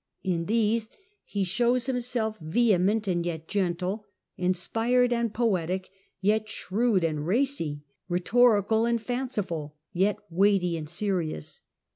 In these he shows himself vehement and yet gentle, inspired and poetic, yet shrewd and racy ; rhetorical and fanciful, yet weighty and serious.